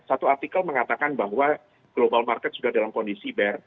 satu artikel mengatakan bahwa global market sudah dalam kondisi bar